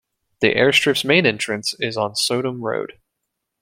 The airstrip's main entrance is on Sodom Road.